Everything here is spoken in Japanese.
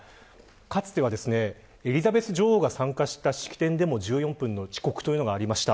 かつては、エリザベス女王が参加した式典でも１４分の遅刻というのがありました。